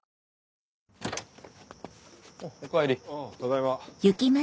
あただいま。